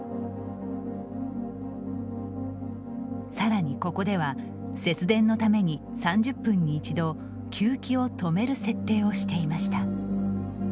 さらにここでは節電のために３０分に一度給気を止める設定をしていました。